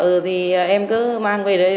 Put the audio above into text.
ừ thì em cứ mang về đây